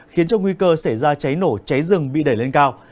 khiến cho nguy cơ xảy ra cháy nổ cháy rừng bị đẩy lên cao